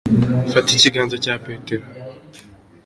Fata ikiganze cya Petero.